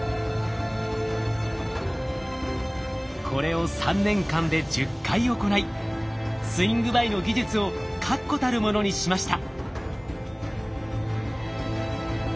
これを３年間で１０回行いスイングバイの技術を確固たるものにしました。